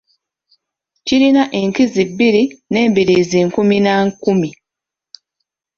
Kirina enkizi bbiri n'embiriizi nkumi na nkumi.